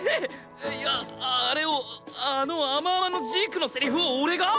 いやあれをあの甘々のジークのセリフを俺が？